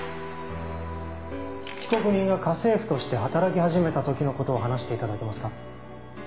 被告人が家政婦として働き始めたときのことを話していただけますか。